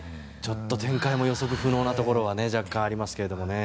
展開も予測不能なところは若干ありますけどもね。